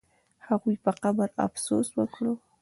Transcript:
هغوی په قبر افسوس وکړ.